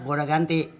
gue udah ganti